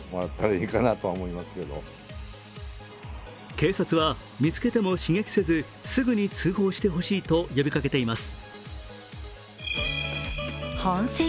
警察は、見つけても刺激せずすぐに通報してほしいと呼びかけています。